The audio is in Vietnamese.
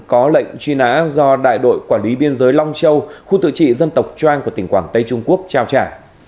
có lệnh truy nã do đại đội quản lý biên giới long châu khu tự trị dân tộc trang của tỉnh quảng tây trung quốc trao trả